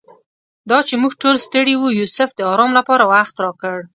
دا چې موږ ټول ستړي وو یوسف د آرام لپاره وخت راکړ.